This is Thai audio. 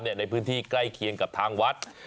ในพื้นที่ใกล้เคียงกับทางวัด